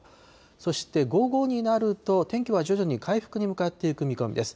そして午後になると、天気は徐々に回復に向かっていく見込みです。